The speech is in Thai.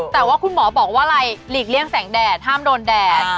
แต่ว่าคุณหมอบอกว่าอะไรหลีกเลี่ยงแสงแดดห้ามโดนแดด